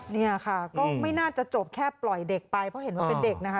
เนี่ยค่ะก็ไม่น่าจะจบแค่ปล่อยเด็กไปเพราะเห็นว่าเป็นเด็กนะคะ